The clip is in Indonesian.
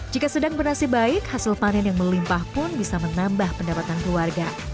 jika sedang bernasib baik hasil panen yang melimpah pun bisa menambah pendapatan keluarga